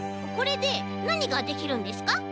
これでなにができるんですか？